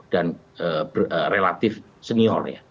dan relatif senior